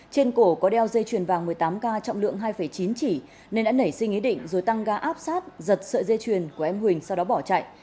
trên cổ có đeo dây chuyền vàng một mươi tám k trọng lượng hai chín chỉ nên đã nảy sinh ý định rồi tăng ga áp sát giật sợi dây chuyền của em huỳnh sau đó bỏ chạy